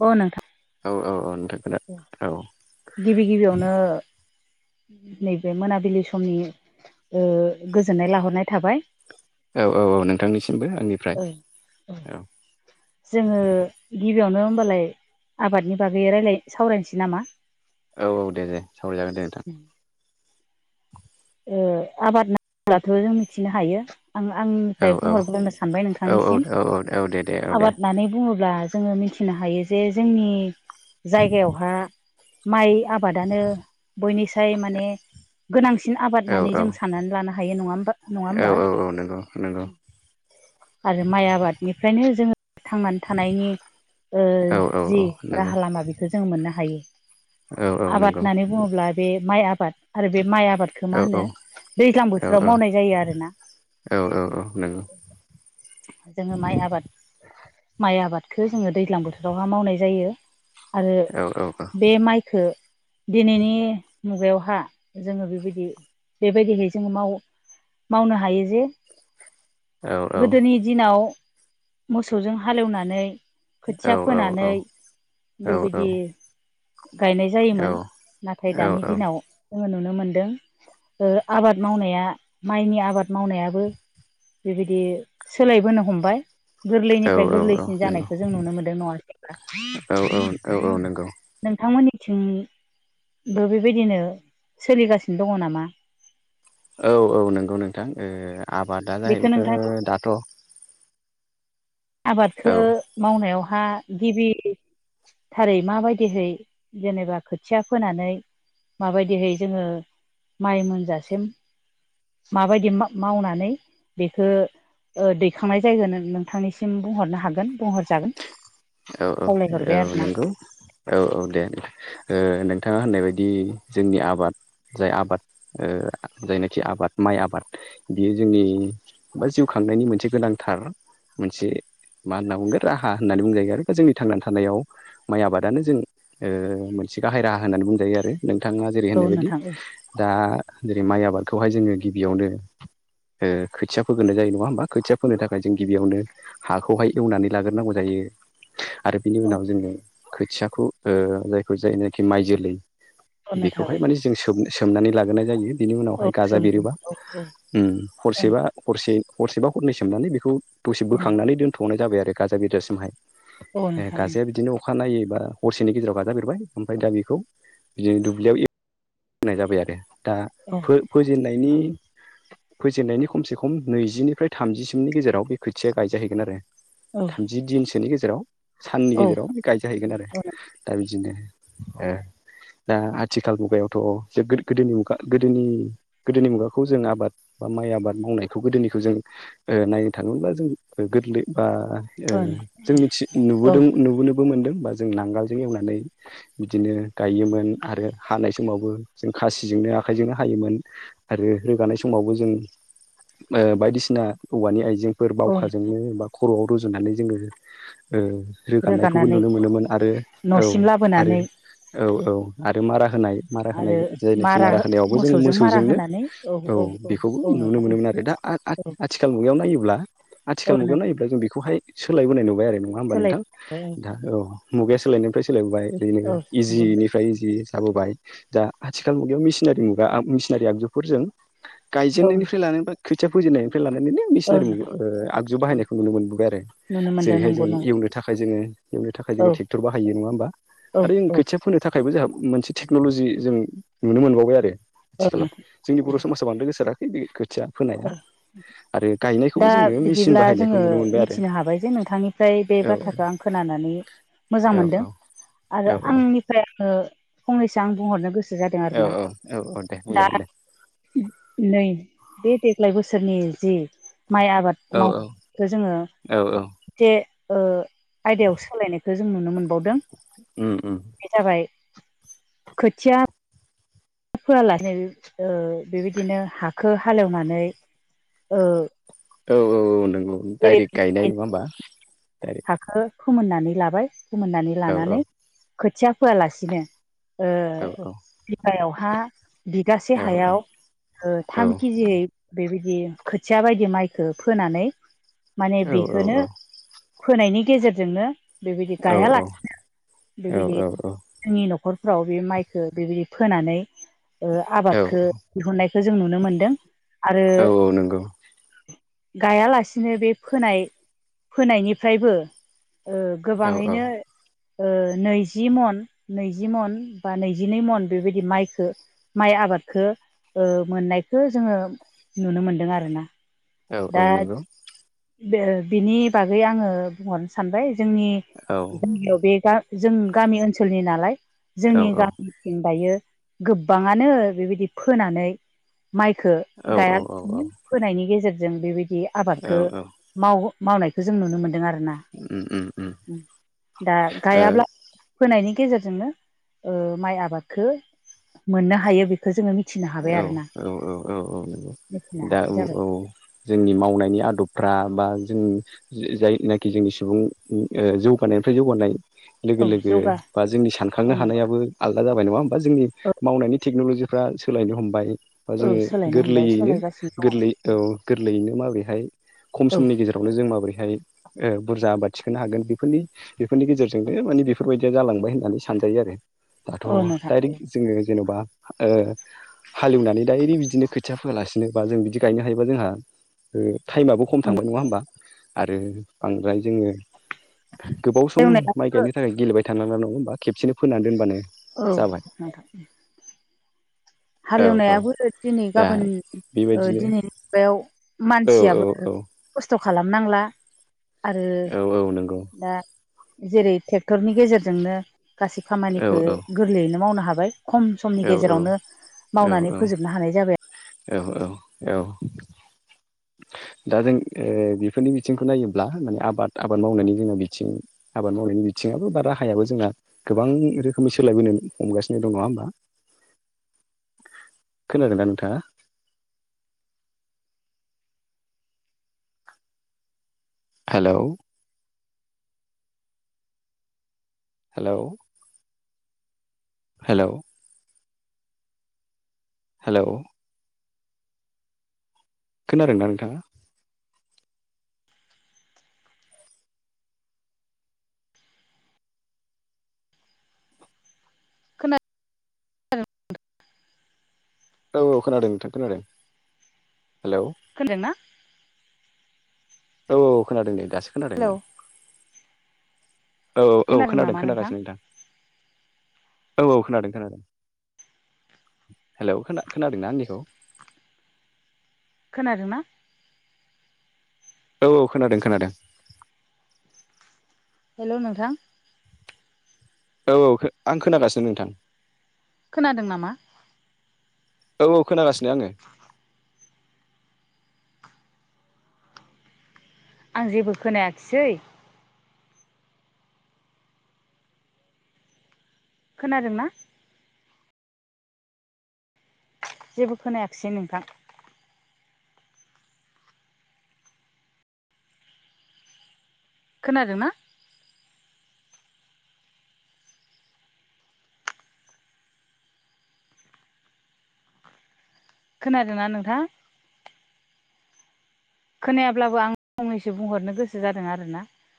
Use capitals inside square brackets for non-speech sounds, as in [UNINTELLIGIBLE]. अ नोंथां। औ औ औ। खोना औ गिबि गिबियावनो नैबे मोनाबिलि समनि ओ गोजोननाय लाहरनाय थाबाय। औ औ औ नोंथांनिसिमबो आंनिफ्राय औ। जोङो गिबियावनो होनबालाय आबादनि बागै रायलाय सावरायनोसै नामा? औ औ दे दे सावरायजागोन दे नोंथां। आबाद होनोब्लाथ जों मिथिनो हायो आं औ आंनिफ्राय औ बुंहरग्रोनो सानबाय औ नोंथांनिसिम। औ औ औ दे दे औ दे आबाद होननानै बुङो ब्ला जोङो मिथिनो हायो जे जोंनि जायगायावहा माइ आबादानो बयनिसाय माने गोनांसिन आबाद औ होननानै औ जों साननानै लानो हायो नङा होमा। औ औ औ नोंगौ नोंगौ। आरो माइ आबादनिफ्रायनो जोङो थांनानै थानायनि ओ औ औ औ जि नंगौ राहा लामा बेखौो जों मोननो हायो। औ औ आबाद नंगौ होननानै बुङोब्ला बे माइ आबाद आरो बे माइ आबाद खो औ मा होनो दैज्लां औ बोथोराव औ मावनाय जायो आरोना। औ औ औ नंगौ जोङो माइ आबाद माइ आबाद खो जोङो दैज्लां बोथोरावहााय मावनाय जायो आरो औ नंगौ औ बे माइखो दिनैनि मुगायावहा जोङो बेबायदि बेबायदिहै जोङो माव मावनो हायो जे गोदोनि दिनाव मोसौजों हालेवनानै खोथिया फोनानै बेबायदि गायनाय जायोमोन नाथाय दानि दिनाव जोङो नुनो मोनदों ओ आबाद मावनाया माइनि आबाद मावनायाबो बेबायदि सोलायबोनो हमबाय। गोरलैनिफ्राय गोरलैसिन जानायखौ जों नुनो मोनदों नङासै होमबा। नंगौ नोंथांमोननिथिं बो बेबायदिनो सोलिगासिनो दङ नामा? औ औ नोंगौ नोंथां ओ आबादा बेखौ जाहैबाय नोंथांनि ओ दाथ आबादखौ औ मावनायावहा गिबि थारै माबायदिहै जेनेबा खोथिया फोनानै माबायदिहै जोङो माइ मोनजासिम माबायदि मावनानै बेखो ओ दैखांनाय जायगोन नोंथांनिसिम बुंहरनो हागोन बुंहरजागोन। औ औ खावलायहरबाय औ आरो ना नोंगौ औ औ दे दे ओ थाङा होननाय बायदि जोंनि आबाद जाय आबाद ओ जायनाखि आबाद माइ आबाद बेयो जोंनि बा जिउ खांनायनि मोनसे गोनांथार मोनसे मा होनना बुंगोन राहा होननानै बुंजायो आरो। जोंनि थांनानै थानायाव माइ आबादानो जों ओ मोनसे गाहाय राहा होननानै बुंजायो आरो। नोंथाङा जेरै औ होननाय बायदि नोंथां दा जेरै- माइ आबादखौहाय जोङो गिबियावनो ओ खोथिया फोग्रोनो जायो नङा होमबा खोथिया फोनो थाखाय जों गिबियावनो हाखौहाय एवनानै लाग्रोनांगौ जायो। आरो बिनि औ उनाव जोङो खोथियाखौ ओ जायखौ जायनाखि माइ जोलै औ नोंथां बेखौहाय औ माने जों सोम सोमनानै लागोनाय जायो। बिनि औ उनावहाय गाजा सोमलि बेरोबा औ औ उम हरसेबा हरसे हरसेबा हरनै सोमनानै बेखौ दसे औ बोखांनानै दोनथ'नाय जाबाय आरो गाजा बेजासिमहाय औ ए नोंथां गाजाया बिदिनो अखानायैबा हरसेनि गेजेराव गाजा बेेरबाय ओमफ्राय दा बेखौ बिदिनो दुब्लियाव फोनाय जाबाय आरो दा औ फो फोजेननायनि फोजेननायनि खमसे खम नैजिनिफ्राय थामजिसिमनि गेजेराव बे खोथिया गायजाहैगोन आरो। थामजि दिनसोनि गेजेराव साननि औ गेजेराव गायजाहैगोन आरो दा बिदिनो [UNINTELLIGIBLE] दा आथिखाल मुगायावथ' गोदो गो गोदोनि गोदोनि मुगाखौ जों आबाद बा माइ आबाद मावनायखौ गोदोनिखौ जों ओ नायनो थाङोब्ला जों गोरलै बा औ जों मिथि औ नुबोदों नुबोनो मोनदों बा जों नांगालजों एवनानै बिदिनो गायोमोन आरो हानाय समावबो जों खासिजोंनो आखाइजोंनो हायोमोन आरो रोगानाय समावबो जों ओ बायदिसिना औवानि आइजेंफोर औ बावखाजोंनो बा खर'आव रुजुनानै जोङो ओ रोगानायखौबो रोगानानै नुनो मोनोमोन आरो औ न'सिम आरो लाबोनानै औ औ आरो मारा होनाय मारा होनाय आरो जायनाखि मारा होनायावबो जोङो मोसौजों मारा मोसौजोंनो होनानै औ बेखौबो औ नुनो नोंथां मोनोमोन आरो दा आथ आथ औ आथिखाल मुगायाव नायोब्ला औ आथिखाल मुगायाव नोंथां नायोब्ला जों बेखौहाय सोलायबोनाय नुबाय आरो नङा होमबा नोंथां? नोंथां औ मुगाया सोलायनायनिफ्राय सोलायबोबाय। ओरैनो औ नंगौ नोंथां इजिनिफ्राय इजि जाबोबाय। दा आथिखाल मुगायाव मिसिनारि मुगा मिसिनारि आगजुफोरजों औ गायजेननायनिफ्राय लानानै खोथिया फोजेननायनिफ्राय लानानैनो औ मिसिनारि नोंथां आगजु बाहायनायखौ नुनो मोनबोबाय आरो। नुनो मोनदों जेरैहाय नंगौ जों नंगौ एवनो थाखाय जोङो एवनो थाखाय जोङो औ ट्रेक्टर बाहायो नङा होमबा? औ आरो जों औ खोथिया फोनो थाखायबो जोंहा मोनसे टेक्न'लजि जों नुनो मोनबावबाय आरो औ आथिखालाव नोंथां जोंनि बर' समाजा बांद्राय गोसोरा। बे खोथिया औ फोनाया आरो दा गायनायखौबो जोङो मेसिन बिदिब्ला जोङो बाहायनायखौ नुनो मोनबाय आरो। मिथिनो हाबाय जे नोंथांनिफ्राय बे बाथ्राखौ आं खोनानानै मोजां औ मोनदों। आरो औ आंनिफ्राय आङो फंनैसो आं बुंहरनो गोसो जादों औ आरोना औ औ दे दा मोजां दे नै बे देग्लाय बोसोरनि जि माइ आबाद औ औ मावनायखौ जोङो औ औ जे ओ आयदायाव सोलायनायखौ जों नुनो मोनबावदों उम उम बे जाबाय खोथिया फोआलासे [UNINTELLIGIBLE] बेबायदिनो हाखौ हालेवनानै [UNINTELLIGIBLE] औ औ औ नोंगौ डाइरेक्ट गायनाय जेरैबायदि नङा होमबा। डाइरेक्ट हाखौ फोमोननानै लाबाय फोमोननानै औ लानानै खोथिया फोआलासिनो ओ औ बिगायावहा बिगासे औ हायाव ओ औ थाम केजियै बेबायदि खोथिया बायदि माइखौ फोनानै माने औ औ बेखौनो फोनायनि गेजेरजोंनो बेबायदि गायालासिनो बेबायदि जोंनि न'खर फ्राव बे माइखौ बेबायदि फोनानै औ आबादखौ दिहुननायखौ जों नुनो मोनदों। आरो औ औ नंगौ। गायालासिनो बे फोनाय फोनायनिफ्रायबो ओ औ औ गोबाङैनो ओ नैजि मन नैजि मन बा नैजिनै मन बेबायदि माइखौ माइ आबादखौ ओ मोननायखौ जोङो नुनो मोनदों आरोना। औ औ नंगौ। ओ बिनि बागै आङो बुंहरनो सानबाय जोंनि औ गामियाव बे जों गामि ओनसोलनि नालाय औ जोंनि औ गामिथिं दायो गोबाङानो बेबायदि फोनानै माइखौ औ दा औ औ औ फोनायनि गेजेरजों बेबायदि औ आबादखौ माव मावनायखौ जों नुनो मोनदों आरोना उम उम उम दा ओ गायाब्ला फोनायनि गेजेरजोंनो ओ माइ आबादखो मोननो हायो बेखौ जोङो मिथि औ औ औ औ औ मिथिनो दा हानाय जाबाय औ जोंनि मावनायनि आदबफ्रा बा जों जि जायनाखि जोंनि सुबुं ओं ओ जौगानाय [UNINTELLIGIBLE] जौगानाय लोगो औ लोगो जौगा बा जोंनि सानखांनो औ नंगौ हानायाबो आलदा जाबाय नङा होमबा जोंनि औ मावनायनि टेकन'लजि फ्रा सोलायनो हमबाय बा औ जोङो सोलायनो हमबाय गोरलैयैनो सोलायगासिनो गोरलै औ दङ गोरलैयैनो माबोरैहाय खम औ समनि गेजेरावनो जों माबोरै हाय ओ बुरजा आबाद थिखोनो हागोन बेफोरनि बेफोरनि गेजेरजोंबो ओइ माने बेफोरबायदिया जालांबाय होननानै सान जायो आरो। दाथ' औ नोंथां दाइरेक्ट जोङो जेनेबा ओ हाल एवनानै दायरेक्ट बिदिनो खोथिया फोयालासिनो बा जों बिदि गायनो हायोबा जोंहा ओ थाइमाबो खम थांबाय नङा होमबा। आरो बांद्राय जोङो गोबाव सम माइ हालेवनायाबो गायनो थाखाय गेलेबाय थानाङा मानो होमबा खबसेनो फोना दोनबानो औ जाबाय नोंथां उम। हाल औ औ एवनायाबो दिनै दा गाबोन ओ बेबायदिनो दिनैनि मुगायाव औ औ मानसियाबो औ खस्थ' खालामनांला आरो औ औ नंगौ दा जेरै ट्रेक्टरनि गेजेरजोंनो गासै औ खामानिखो औ गोरलैयैनो मावनो हाबाय। खम समनि औ गेजेरावनो। मावनानै फोजोबनो हानाय जाबाय। औ औ औ। दा जों ओ बेफोरनि बिथिंखौ नायोब्ला माने आबाद आबाद मावनायनि जोंनि बिथिं आबाद मावनायनि बिथिङाबो बा राहायाबो जोंहा गोबां रोखोमै सोलायबोनो हमगासिनो दं नङा होमबा? [INAUDIBLE] खोनादों दा नोंथाङा? हेलौ हेलौ हेलौ हेलौ खोनादोंना नोंथाङा? खोना [UNINTELLIGIBLE] औ औ खोनादों नोंथां खोनादों। हेलौ खोनादोंना? औ औ खोनादों नै दासो हेलौ खोनादोंमोन। औ औ खोनादों खोनागासिनो नोंथां। औ खोनादों खोनादों। हेलौ खोना-खोनादोंना आंनिखौ? खोनादोंना? औ खोनादों खोनादों। हेलौ नोंथां। औ औ आं खोनागासिनो नोंथां। खोनादों नामा? औ औ खोनागासिनो आङो। आं जेबो खोनायाखिसै। खोनादोंना? जेबो खोनायाखैसै नोंथां। खोनादोंना? खोनादोना नोंथां? खोनायाब्लाबो आं फंनैसो बुंहरनो गोसो जादों आरोना।